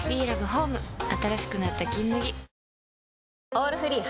「オールフリー」